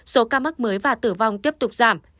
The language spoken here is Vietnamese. số ca mắc mới và tử vong tiếp tục giảm